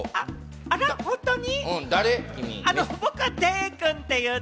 あら、本当に？